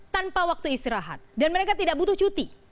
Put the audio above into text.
tanpa waktu istirahat dan mereka tidak butuh cuti